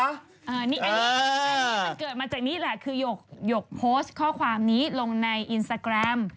อันนี้มันเกิดมาจากนี้แหละคือหยกโพสต์ข้อความนี้ลงในอินสตาแกรม